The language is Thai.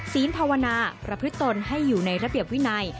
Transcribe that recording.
ภาวนาประพฤตนให้อยู่ในระเบียบวินัย